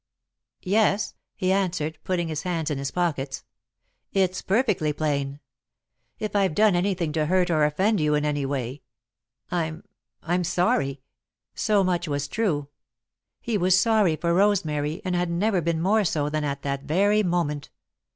"Yes," he answered, putting his hands in his pockets, "it's perfectly plain. If I've done anything to hurt or offend you in any way, I I'm sorry." So much was true. He was sorry for Rosemary and had never been more so than at that very moment.